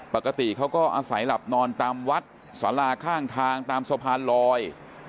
ปกติเขาก็อาศัยหลับนอนตามวัดสาราข้างทางตามสะพานลอย